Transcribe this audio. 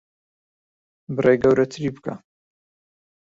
بڕێک گەورەتری بکە.